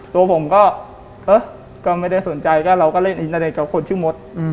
ตัวผมก็เออก็ไม่ได้สนใจก็เราก็เล่นอินเตอร์เน็ตกับคนชื่อมด